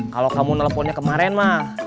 kalau kamu teleponnya kemaren mah